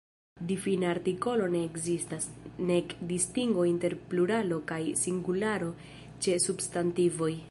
Difina artikolo ne ekzistas, nek distingo inter pluralo kaj singularo ĉe substantivoj.